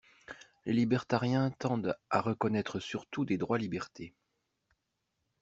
Les libertariens tendent à reconnaître surtout des droits-liberté.